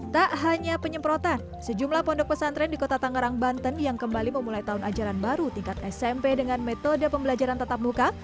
tak hanya penyemprotan sejumlah pondok pesantren di kota tangerang banten yang kembali memulai tahun ajaran baru tingkat smp dengan metode pembelajaran tetap muka